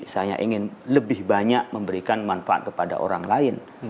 saya ingin lebih banyak memberikan manfaat kepada orang lain